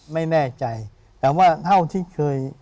ไม่แน่ใจแต่ว่าเท่าที่เคย